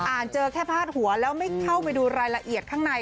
เจอแค่พาดหัวแล้วไม่เข้าไปดูรายละเอียดข้างใน